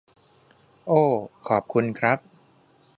โอ้ขอบคุณครับ